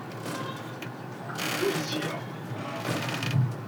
Ddut sya!